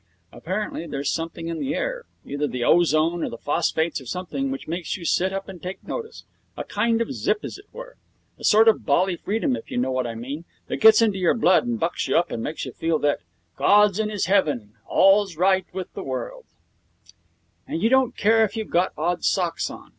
Apparently there's something in the air, either the ozone or the phosphates or something, which makes you sit up and take notice. A kind of zip, as it were. A sort of bally freedom, if you know what I mean, that gets into your blood and bucks you up, and makes you feel that God's in His Heaven: All's right with the world, and you don't care if you've got odd socks on.